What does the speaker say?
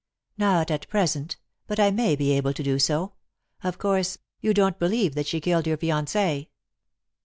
"Not at present, but I may be able to do so. Of course, you don't believe that she killed your fiancée?"